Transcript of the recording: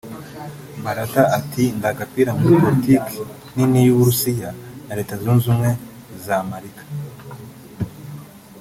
Blatter ati “Ndi agapira muri politike nini y’u Burusiya na Leta Zunze Ubumwe z’Amarika”